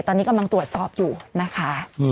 ตอนนี้กำลังตรวจสอบอยู่นะคะ